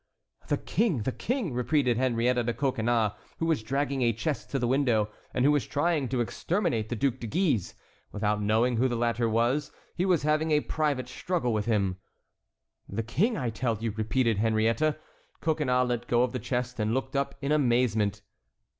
"The King! the King!" repeated Henriette to Coconnas, who was dragging a chest to the window, and who was trying to exterminate the Duc de Guise. Without knowing who the latter was he was having a private struggle with him. "The King, I tell you," repeated Henriette. Coconnas let go of the chest and looked up in amazement.